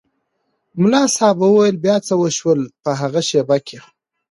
ملا صاحب وویل بیا څه وشول په هغې شېبه کې.